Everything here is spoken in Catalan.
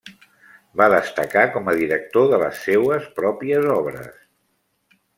Va destacar com a director de les seues pròpies obres.